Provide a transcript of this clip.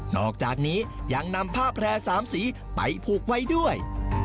อกจากนี้ยังนำผ้าแพร่๓สีไปผูกไว้ด้วย